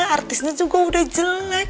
artisnya juga udah jelek